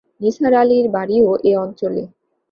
নিসার আলির বাড়িও এ অঞ্চলে।